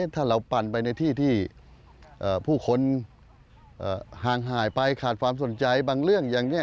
ถ้าเราปั่นไปในที่ที่ผู้คนห่างหายไปขาดความสนใจบางเรื่องอย่างนี้